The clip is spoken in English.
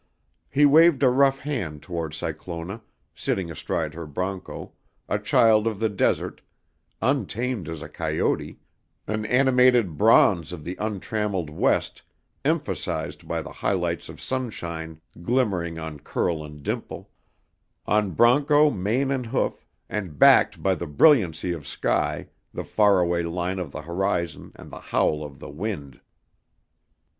He waved a rough hand toward Cyclona, sitting astride her broncho, a child of the desert, untamed as a coyote, an animated bronze of the untrammelled West emphasized by the highlights of sunshine glimmering on curl and dimple, on broncho mane and hoof, and backed by the brilliancy of sky, the far away line of the horizon and the howl of the wind.